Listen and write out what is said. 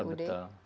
satgas di daerah